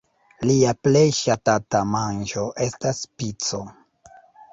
Lia plej ŝatata manĝo estas pico.